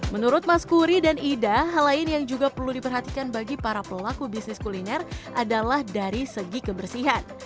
menurut mas kuri dan ida hal lain yang juga perlu diperhatikan bagi para pelaku bisnis kuliner adalah dari segi kebersihan